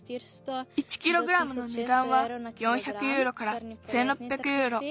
１キログラムのねだんは４００ユーロから１，６００ユーロ。